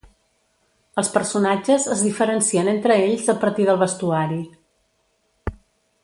Els personatges es diferencien entre ells a partir del vestuari.